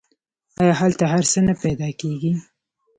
آیا هلته هر څه نه پیدا کیږي؟